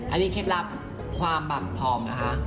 อันนี้เคล็ดลับความแบ่งผอมนะคะ